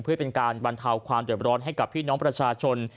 เพื่อปันทาวน์ความเตรียมร้อนให้กับพี่น้องประชาชน